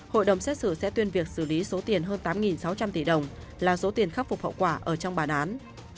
hội đồng xét xử sẽ tuyên việc xử lý số tiền hơn tám sáu trăm linh tỷ đồng là số tiền khắc phục hậu quả ở trong bản án